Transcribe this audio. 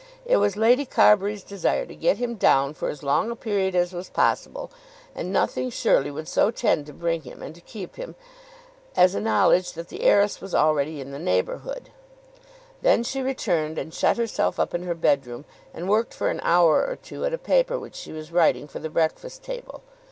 It was Lady Carbury's desire to get him down for as long a period as was possible, and nothing surely would so tend to bring him and to keep him, as a knowledge that the heiress was already in the neighbourhood. Then she returned, and shut herself up in her bedroom, and worked for an hour or two at a paper which she was writing for the "Breakfast Table."